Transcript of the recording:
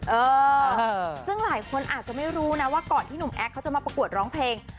เออซึ่งหลายคนอาจจะไม่รู้นะว่าก่อนที่หนุ่มแอคเขาจะมาประกวดร้องเพลง